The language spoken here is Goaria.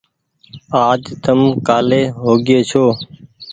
آج تم ڪآلي هوگيئي ڇو ۔